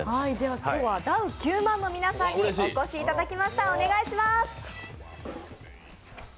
今日はダウ９００００の皆さんにお越しいただきました。